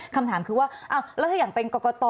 คำถามคือว่าแล้วถ้าอย่างเป็นกรกต